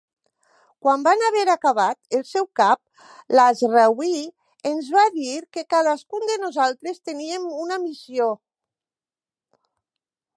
Quan van haver acabat, el seu cap, Laazraoui, ens va dir que cadascun de nosaltres teníem una missió.